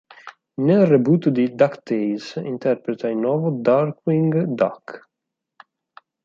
Nel reboot di "DuckTales", interpreta il nuovo Darkwing Duck.